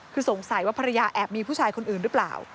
คือสงสัยว่าภรรยาแอบมีผู้ชายคนอื่นหรือเปล่า